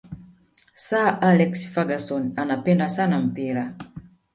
sir alex ferguson anapenda sana mpira